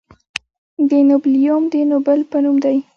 د نوبلیوم د نوبل په نوم دی.